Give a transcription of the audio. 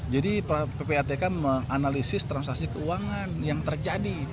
jadi ppatk menganalisis transaksi keuangan yang terjadi